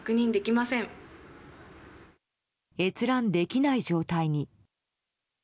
閲覧できない状態に。